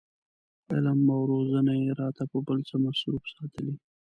علم او روزنه یې راته په بل څه مصروف ساتلي.